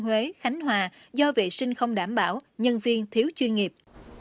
huế khánh hòa do vệ sinh không đảm bảo nhân viên thiếu chuyên nghiệp